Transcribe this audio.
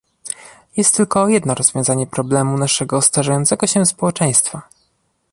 Jest tylko jedno rozwiązanie problemu naszego starzejącego się społeczeństwa